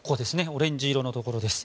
オレンジ色のところです。